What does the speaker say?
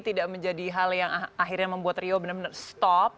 tidak menjadi hal yang akhirnya membuat rio benar benar stop